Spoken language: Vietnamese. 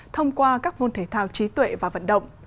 thông qua các môn thể thao trí tuệ và vận động